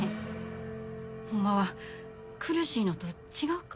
ホンマは苦しいのと違うか？